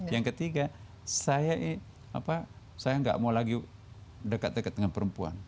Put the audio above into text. yang ketiga saya nggak mau lagi dekat dekat dengan perempuan